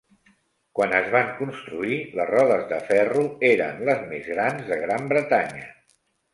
Quan es van construir, les rodes de ferro eren les més grans de Gran Bretanya.